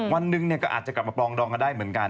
วันหนึ่งก็อาจจะกลับมาปลองดองกันได้เหมือนกัน